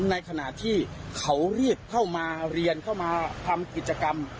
ในขณะที่เขารีบเข้ามาเรียนเข้ามาทำกิจกรรม